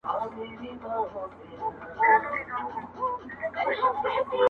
o په سلو وهلی ښه دئ، نه په يوه پړ!